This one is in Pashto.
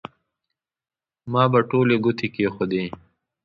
ما به ټولې ګوتې کېښودې.